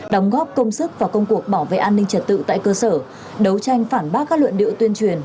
đóng góp công sức và công cuộc bảo vệ an ninh trật tự tại cơ sở đấu tranh phản bác các luận điệu tuyên truyền